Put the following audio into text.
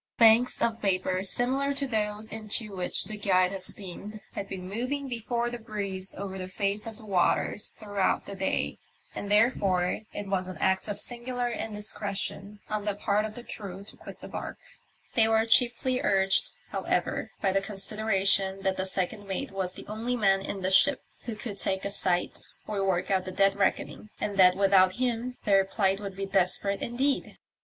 Banks of vapour similar to those into which the Guide had steamed had been moving before the breeze over the face of the waters throughout the day, and there fore it was an act of singular indiscretion on the part 20 TEE MYSTERY OF THE " OCEAS STAR." of the crew to .quit the barque. They were chiefly urged, however, by the consideration that the second mate was the only man in the ship who could take a sight or work out the dead reckoning, and that without him their plight would be desperate indeed.